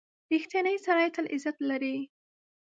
• رښتینی سړی تل عزت لري.